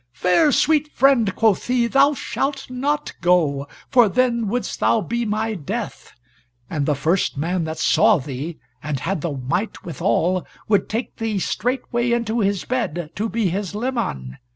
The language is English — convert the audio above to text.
"Fair sweet friend," quoth he, "thou shalt not go, for then wouldst thou be my death. And the first man that saw thee and had the might withal, would take thee straightway into his bed to be his leman.